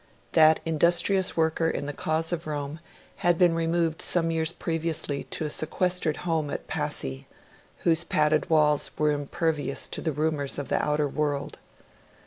That industrious worker in the cause of Rome had been removed some years previously to a sequestered home at Passy, whose padded walls were impervious to the rumours of the outer world.